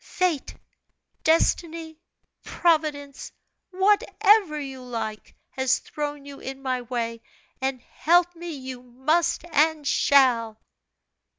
Fate, Destiny, Providence whatever you like has thrown you in my way, and help me you must and shall!"